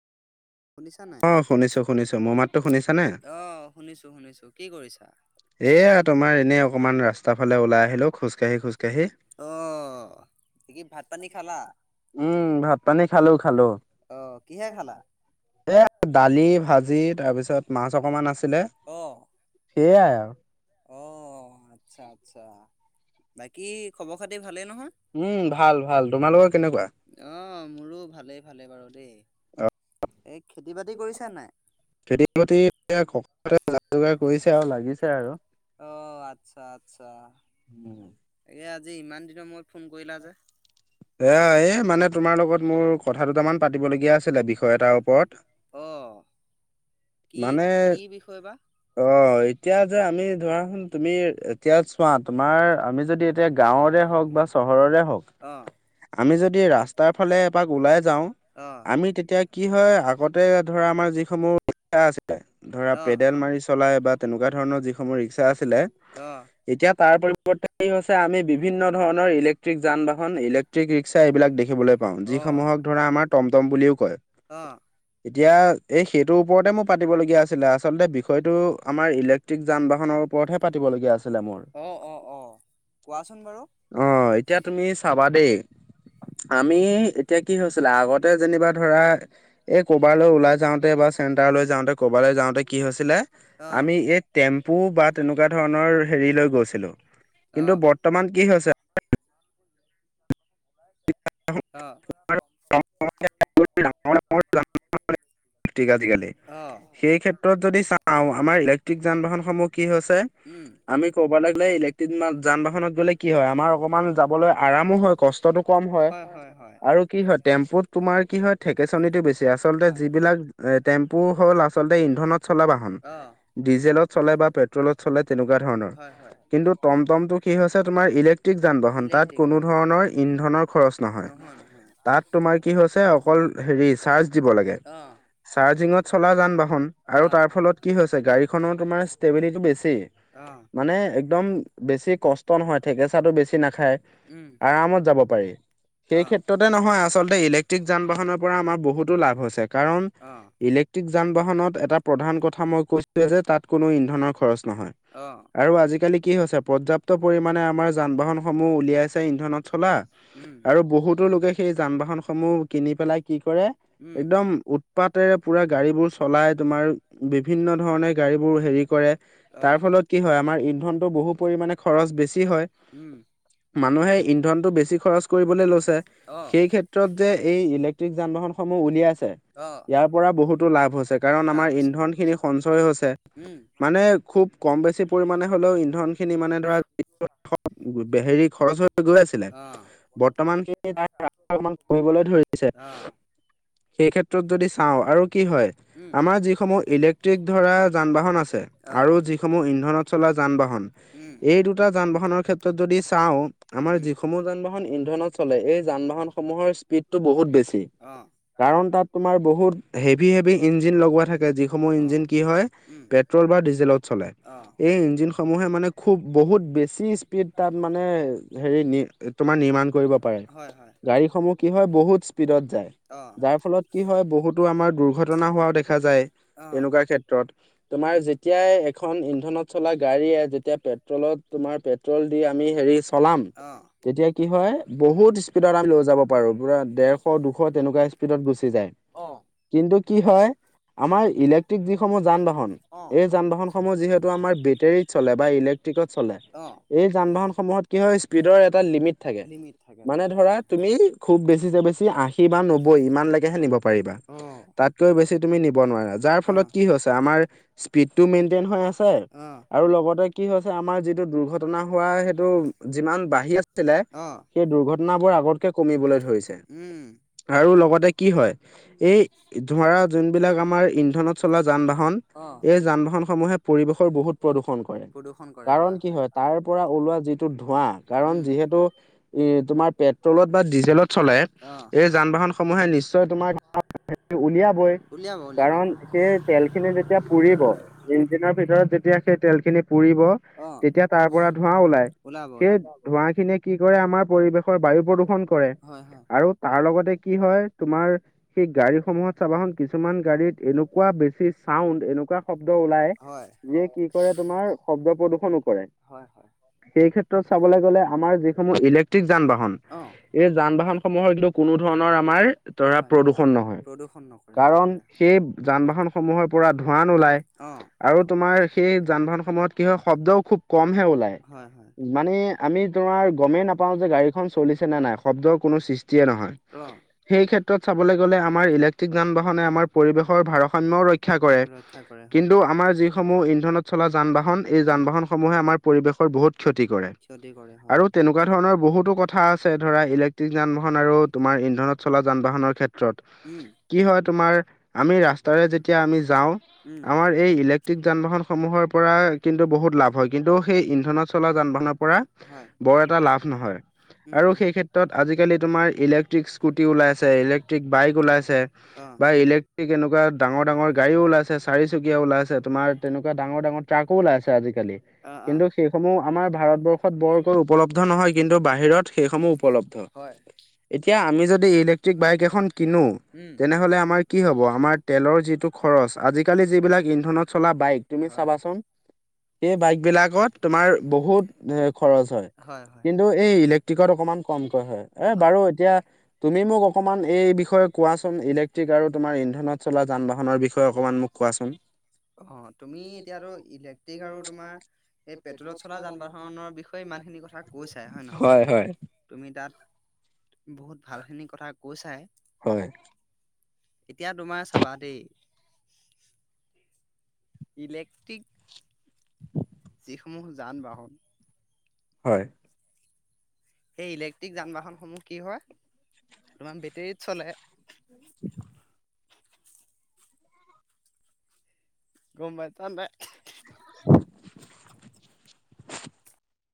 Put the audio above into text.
শুনিছা নাই? শুনিছো শুনিছো মোৰ মাতটো শুনিছা নে? অ শুনিছোঁ শুনিছোঁ কি কৰিছা? এইয়া তোমাৰ এনেই অকণমান ৰাস্তাৰ ফালে ওলাই আহিলোঁ খোজকাঢ়ি খোজকাঢ়ি‌। অ কি কি ভাত পানী খাবা, অ কিহে খালা? দালি, ভাজি তাৰপিছত মাছ অকণমান আছিলে। অ, সেয়াই অ আচ্ছা আচ্ছা বাকী খবৰ খাতি ভালেই নহয়? উম ভাল ভাল তোমালোকৰ কেনেকুৱা? অ মোৰো ভালেই ভালে বাৰু দেই এই খেতি বাতি কৰ খেতি বাতি এ সকলতে যা যোগাৰ কৰিছে আৰু লাগিছে আৰু অ আচ্ছা আচ্ছা এই আজি ইমান দিনৰ মোৰত ফোন কৰিলা যে? এ এই মানে তোমাৰ লগত মোৰ কথা দুটামান পাতিবলগীয়া আছিলে বিষয় এটাৰ ওপৰত অ কি কি বিষয় বা? অ এতিয়া যে আমি ধৰাচোন তুমি এতিয়া চোৱা তোমাৰ আমি যদি এতিয়া গাঁৱৰে হওঁক বা চহৰৰে হওঁক আমি যদি ৰাস্তাৰ ফালে এপাক ওলাই যাওঁ আমি তেতিয়া কি হয় আগতে ধৰা আমাৰ যিসমূহ আছিলে ধৰা পেডেল মাৰি চলাই বা তেনেকুৱা ধৰণৰ যিসমূহ ৰিক্সা আছিলে। এতিয়া তাৰ পৰিৱৰ্তে হৈছে আমি বিভিন্ন ধৰণৰ ইলেক্ট্ৰিক যান বাহন ইলেকট্ৰিক ইৰিক্সা এইবিলাক দেখিবলৈ পাওঁ যিসমূহক ধৰা আমাৰ টমটম বুলিও কয়। অ এতিয়া এই সেইটোৰ ওপৰতে মোৰ পাতিবলগীয়া আছিলে আচলতে বিষয়টো আমাৰ ইলেক্ট্ৰিক যান বাহনৰ ওপৰতহে পাতিবলগীয়া আছিলে মোৰ। অ এতিয়া তুমি চাবা দেই আমি এতিয়া কি হৈছিলে আগতে যেনিবা ধৰা এই কৰবালৈ ওলাই যাওঁতে বা চেণ্টাৰলৈ যাওঁতে ক'ৰবালৈ যাওঁতে কি হৈছিলে আমি এই টেম্পু বা তেনেকুৱা ধৰণৰ হেৰি লৈ গৈছিলোঁ কিন্তু বৰ্তমান কি হৈছে? [unintelligible] থিক আজিকালি সেই ক্ষেত্ৰত যদি চাওঁ আমাৰ ইলেক্ট্ৰিক যান বাহনসমূহ কি হৈছে উম আমি কবালে গ'লে ইলেক্ট্ৰিক যান বাহনত গ'লে কি হয় আমাৰ অকমান যাবলৈ আৰামো হয় কষ্টটো কম হয়। আৰু কি হয় টেম্পুত তোমাৰ কি হয় থেকেচনিটো বেছি আচলতে যিবিলাক। এ টেম্পু হ'ল আচলতে ইন্ধনত চলে বাহন ডিজেলত চলে বা পে পেট্ৰলত চলে তেনেকুৱা ধৰণৰ কিন্তু টমটমটো কি হৈছে তোমাৰ ইলেক্ট্ৰিক যান বাহন তাত। কোনো ধৰণৰ ইন্ধনৰ খৰচ নহয় তাত তোমাৰ কি হৈছে অকল হেৰি চাৰ্জ অ। চাৰ্জিঙত চলা যান বাহন আৰু তাৰ ফলত কি হৈছে গাড়ীখনৰ তোমাৰ ষ্টেবিলিটি বেছি। মানে একদম বেছি কষ্ট নহয় ঠেকেচাটো বেছি নাখায়। আৰামত যাব পাৰি সেই ক্ষেত্ৰত তে নহয় আচলতে ইলেক্ট্ৰিক যান বাহনৰ পৰা আমাৰ বহুতো লাভ হৈছে, কাৰণ অ। ইলেক্ট্ৰিক যান বাহনত এটা প্ৰধান কথা মই কৈছিলোঁৱেই যে তাত কোনো ইন্ধনৰ খৰচ নহয়। অ। আৰু আজিকালি কি হৈছে পৰ্যাপ্ত পৰিমাণে আমাৰ যান বাহনসমূহ উলিয়াইছে ইন্ধনত চলা আৰু বহুতো লোকে সেই যান বাহনসমূহ কিনি পেলাই কি কৰে একদম উ পাতেৰে পুৰা গাড়ী বোৰ চলাই তোমাৰ বিভিন্ন ধৰণে গাড়ী বোৰ হেৰি কৰে তাৰ ফলত কি হয় আমাৰ ইন্ধনতটো বহু পৰিমানে খৰচ বেছি হয়। মানুহে ইন্ধনতটো বেছি খৰচ কৰিবলৈ লৈছে সেই ক্ষেত্ৰ ক্ষেত্ৰত যে এই ইলেক্ট্ৰিক যান বাহনসমূহ উলিয়াইছে ইয়াৰ পৰা বহুতো লাভ হৈছে কাৰণ আমাৰ ইন্ধন খিনি সঞ্চয় হৈছে, মানে খুব কম বেছি পৰিমাণে হ'লেও ইন্ধনখিনি মানে ধৰা হেৰি খৰ হৈ গৈ আছিলে, বৰ্তমানখিনি টাইমত অকমান কৰিবলে ধৰিছে। সেই ক্ষেত্ৰত যদি চাওঁ আৰু কি হয় আমাৰ যিসমূহ ইলেক্ট্ৰিক ধৰা যান বাহন আছে। আৰু যিসমূহ ইন্ধনত চলা যান বাহন এই দুটা যান বাহনৰ ক্ষেত্ৰত যদি চাওঁ, আমাৰ যিসমূহ যান বাহন ইন্ধনত চলে এই যান বাহনসমূহৰ স্পীডটো বহুত বেছি। কাৰণ তাত তোমাৰ বহুত হেভি-হেভি ইঞ্জিন লগোৱা থাকে, যি সমূহ ইঞ্জিন কি হয়, পেট্ৰল বা ডিজেলত চলে এই ইঞ্জিন সমূহে মানে খুব বহুত বেছি স্পীড তাত মানে হেৰি নি তোমাৰ নিৰ্মাণ কৰিব পাৰে। গাড়ীসমূহ কি হয় বহুত স্পীডত যায় যাৰ ফলত কি হয় বহুতো আমাৰ দুৰ্ষটনা হোৱাও দেখা যায় তেনেকুঁৱা ক্ষেত্ৰত। তোমাৰ যে তিয়াই এখন ইন্ধনত চলা গাড়ীয়ে যেতিয়া পেট্ৰলত তোমাৰ পে পেট্ৰল দি আমি হেৰি চলাম। তেতিয়া কি হয় বহুত স্পীডত আমি লৈ যাব পাৰো পূৰা ডেৰশ দুশ তেনেকুৱা স্পীডত গুচি যায়। অ', কিন্তু কি হয় আমাৰ ইলেক্ট্ৰিক যিসমূহ যান বাহন এই যান বাহনসমূহ যিহেতু আমাৰ বেটেৰী, চলে বা ইলেক্ট্ৰিকত চলে এই যান বাহনসমূহত কি হয় স্পীডৰ এটা লিমিট থাকে, মানে ধৰা তুমি খুব বেছিতে বেছি আশী বা নব্বৈ ইমান লৈকেহে নিব পাৰিবা। তাত কৈ বেছি তুমি নিব নোৱাৰা যাৰ ফলত কি হৈছে আমাৰ স্পীডটো মেইনটেইন হৈ আছে আৰু লগতে কি হৈছে আমাৰ যিটো দুৰ্ঘটনা হোৱা সেইটো যিমান বাঢ়ি আছিলে, সেই দুৰ্ঘটনাবোৰ আগতকে কমিবলে ধৰিছে আৰু লগতে কি হয়। এই ধৰা যোনবিলাক আমাৰ ইন্ধনত চলা যান বাহন এই যান বাহনসমূহে পৰিৱেশৰ বহুত প্ৰদূষণ কৰে কাৰণ কি হয় তাৰ পৰা ওলোৱা যিটো ধোঁৱা কাৰণ যিহেতু ই তোমাৰ পেট্ৰলত বা ডিজেলত চলে, এই যান বাহনসমূহে নিশ্চয় তোমাৰ। উলিয়াবই, কাৰণ সেই তেলখিনি যেতিয়া পুৰিব। ইঞ্জিনৰ ভিতৰত যেতিয়া সেই তেলখিনি পুৰিব, তেতিয়া তাৰ পৰা ধোঁৱা ওলাই। সেই ধোঁৱা খিনিয়ে কি কৰে আমাৰ পৰিৱেশৰ বায়ু প্ৰদূষন কৰে। আৰু তাৰ লগতে কি হয় তোমাৰ সেই গাড়ীসমূহত চাবাখন কিছুমান গাড়ীত এনেকুৱা বেছি চাউণ্ড এনেকুৱা শব্দ ওলাই। যিয়ে কি কৰে তোমাৰ হয়-হয়। সেই ক্ষেত্ৰত চাবলৈ গ'লে আমাৰ যিসমূহ ইলেক্ট্ৰিক যান বাহন, এই যান বাহন সমূহৰ কিন্তু কোনো ধৰণৰ আমাৰ ধৰা প্ৰদূষন নহয়। কাৰণ সেই যান বাহন সমূহৰ পৰা ধোঁৱা নোলাই। আৰু তোমাৰ সেই যান বাহন সমূহত কি হয় শব্দও খুব কমহে ওলাই, মানে আমি তোমাৰ গমেই নাপাও যে গাড়ীখন চলিছে নে নাই। শব্দৰ কোনো সৃষ্টিয়ে নহয়, সেই ক্ষেত্ৰ চাবলে গ'লে আমাৰ ইলেক্ট্ৰিক যান বাহনে আমাৰ পৰিৱেশৰ ভাৰসাম্যও ৰক্ষা কৰে। ৰক্ষা কৰা হয়। সমূহ ইন্ধনত চলা যান বাহন এই যান বাহনসমূহে আমাৰ পৰিৱেশৰ বহুত ক্ষতি কৰে আৰু তেনে তেনেকুৱা ধৰণৰ বহুতো কথা আছে ধৰা ইলেক্ট্ৰিক যান বাহন আৰু তোমাৰ ইন্ধনত চলা যান বাহনৰ ক্ষেত্ৰত। কি হয় তোমাৰ আমি ৰাস্তাৰে যেতিয়া আমি যাওঁ, আমাৰ এই ব্যিক যান বাহন সমূহৰ পৰা কিন্তু বহুত লাভ হয়, কিন্তু সেই ইন্ধনত চলা যান বাহনৰ পৰা, বৰ এটা লাভ নহয়। আৰু সেই ক্ষেত্ৰত আজিকালি তোমাৰ ইলেক্ট্ৰিক স্কুটি ওলাই আছে। ইলেক্ট্ৰিক বাইক ওলাইছে, বা ইলেক্ট্ৰিক এনেকুৱা ডাঙৰ-ডাঙৰ গাড়ীও ওলাইছে চাৰিচকীয়া ওলাইছে। তোমাৰ তেনেকুৱা ডাঙৰ ডাঙৰ ট্ৰাকো ওলাইছে আজিকালি। অ অ। সমূহ আমাৰ ভাৰতবৰ্ষত বৰকৈ উপলব্ধ নহয় কিন্তু বাহিৰত সেইসমূহ উপলব্ধ। এতিয়া আমি যদি ইলেক্ট্ৰিক বাইক এখন কিনো। তেনেহ'লে আমাৰ কি হ'ব আমাৰ তেলৰ যিটো খৰচ আজিকালি যিবিলাক ইন্ধনত চলা বাইক। তুমি চাবাচোন, সেই বাইক বিলাকত। তোমাৰ বহুত এ খৰচ হয়, কিন্তু এই ইলেক্ট্ৰিকত অকমান কমকৈ হয়। এ বাৰু এতিয়া তুমি মোক অকমান এই বিষয়ে কোৱাচোন ইলেক্ট্ৰিক আৰু তোমাৰ ইন্ধনত। চলা যান বাহনৰ বিষয়ে অকণমান মোক কোৱাচোন। অ তুমি এতিয়াতো ইলেক্ট্ৰিক আৰু তোমাৰ এই পেট্ৰলত চলা যান বাহনৰ বিষয়ে। ইমান খিনি কথা কৈছাই হয় নহয়। তুমি তাত, বহুত ভালখিনি কথা কৈছাই। এতিয়া তোমাৰ চাবা দেই। ইলেক্ট্ৰিক। যিসমূহ যান বাহন। হয়। সেই ইলেক্ট্ৰিক যান বাহনসমূহ কি হয়, তোমাৰ বেটেৰীত চলে। [unintelligible] গম পাইচা নে। [unintelligible]